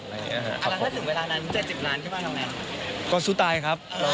แล้วถ้าถึงเวลานั้นจะจิบร้านขึ้นมาทำไง